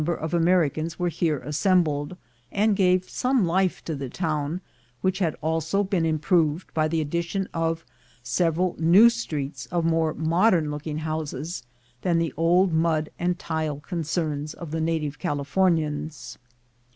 ber of Americans were here as sembled, and gave some life to the town, which had also been improved by the addition of several new streets of more modern looking houses than the old mud and tile concerns of the native Californlans.